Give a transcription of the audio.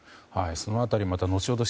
その辺りまた後ほど